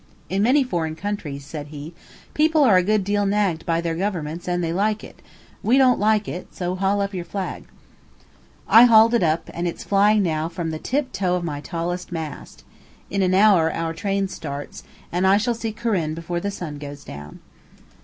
"In many foreign countries," said he, "people are a good deal nagged by their governments and they like it; we don't like it, so haul up your flag." I hauled it up, and it's flying now from the tiptop of my tallest mast. In an hour our train starts, and I shall see Corinne before the sun goes down.